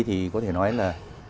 thì có thể nói là